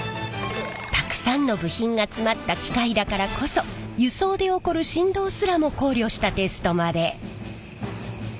たくさんの部品が詰まった機械だからこそ輸送で起こる振動すらも考慮したテストまで。